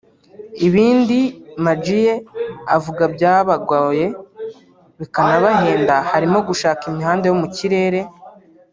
Ibindi Maggie avuga byabagoye bikanabahenda harimo gushaka imihanda yo mu kirere